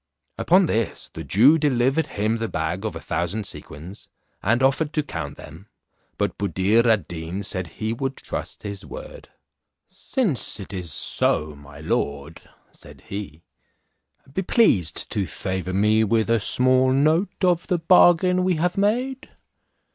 Upon this the Jew delivered him the bag of a thousand sequins, and offered to count them, but Buddir ad Deen said he would trust his word. "Since it is so, my lord," said he, "be pleased to favour me with a small note of the bargain we have made."